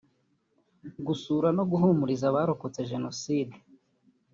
gusura no guhumuriza abarokotse Jenoside